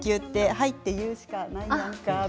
はいって言うしかないと。